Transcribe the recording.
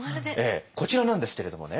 こちらなんですけれどもね。